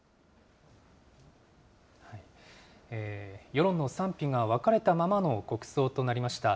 世論の賛否が分かれたままの国葬となりました。